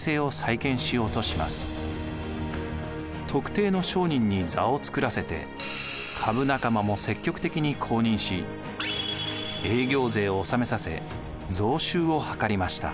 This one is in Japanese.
特定の商人に座を作らせて株仲間も積極的に公認し営業税を納めさせ増収を図りました。